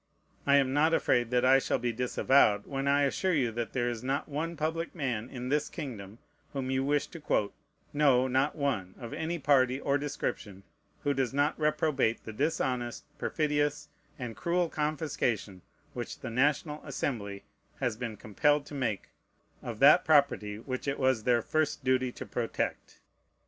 I am not afraid that I shall be disavowed, when I assure you that there is not one public man in this kingdom, whom you wish to quote, no, not one, of any party or description, who does not reprobate the dishonest, perfidious, and cruel confiscation which the National Assembly has been compelled to make of that property which it was their first duty to protect.